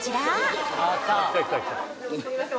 すいません